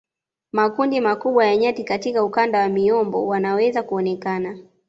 Makundi makubwa ya nyati katika ukanda wa miombo wanaweza kuonekana